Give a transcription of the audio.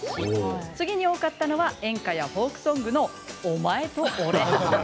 次に多かったのは演歌やフォークソングの「お前」と「俺」。